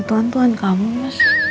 ya tuhan tuhan kamu masih